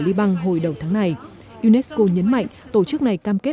liban hồi đầu tháng này unesco nhấn mạnh tổ chức này cam kết